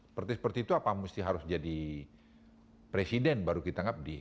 seperti itu apa harus jadi presiden baru kita ngabdi